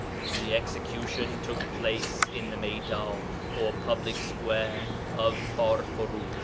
'The execution took place in the meydan, or public square, of Barfurush.